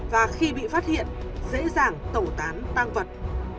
và khi bị phát hiện dễ dàng tẩu tán tăng vật